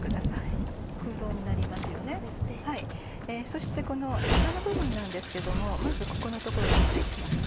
そしてこのヘタの部分なんですけどもまずここの所取って行きます。